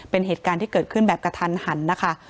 เป็นเหตุการณ์ที่เกิดขึ้นแบบกระทันหันนะคะ